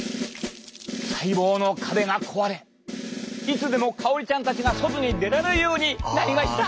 細胞の壁が壊れいつでもかおりちゃんたちが外に出られるようになりました。